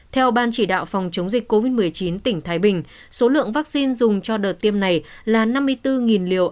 theo ban chỉ đạo phòng chống dịch covid một mươi chín tỉnh thái bình số lượng vaccine dùng cho đợt tiêm này là năm mươi bốn liều